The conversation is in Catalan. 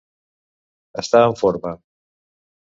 Estar en forma.